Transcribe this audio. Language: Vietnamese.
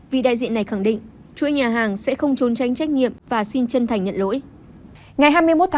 vì đại diện này khẳng định chuỗi nhà hàng sẽ không trốn tránh trách nhiệm và xin chân thành nhận lỗi